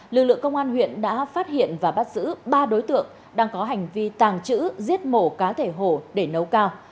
lực lượng công an huyện đã phát hiện và bắt giữ ba đối tượng đang có hành vi tàng trữ giết mổ cá thể hổ để nấu cao